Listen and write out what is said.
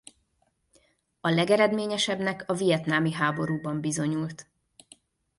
A legeredményesebbnek a vietnámi háborúban bizonyult.